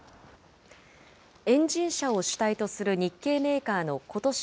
エンジン車を主体とする日系メーカーのことし